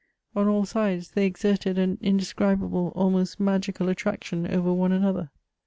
On all sides they exerted an indescribable, almost magical attraction over one another.